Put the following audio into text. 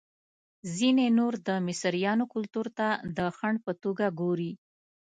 ځینې نور د مصریانو کلتور ته د خنډ په توګه ګوري.